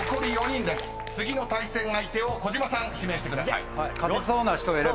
［次の対戦相手を児嶋さん指名してください］